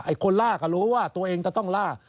คนล่าก็รู้ว่าตัวเองจะต้องล่า